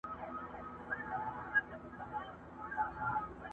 له آوازه به یې ویښ ویده وطن سي؛